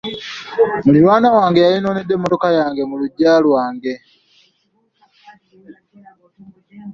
Muliraanwa wange yayonoonedde emmotoka yange mu luggya lwange.